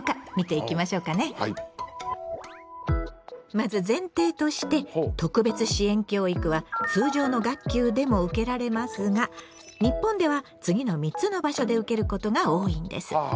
まず前提として特別支援教育は通常の学級でも受けられますが日本では次の３つの場所で受けることが多いんです。